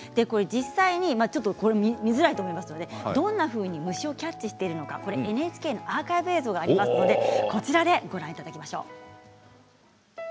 見づらいと思いますので実際にどんなふうに虫をキャッチしているのかＮＨＫのアーカイブ映像でご覧いただきましょう。